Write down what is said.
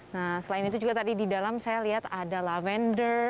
nah selain itu juga tadi di dalam saya lihat ada lavender